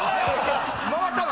回ったの？